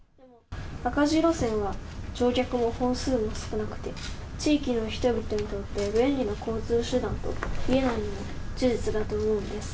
赤字路線は乗客も本数も少なくて、地域の人々にとって便利な交通手段とは言えないのは事実だと思うんです。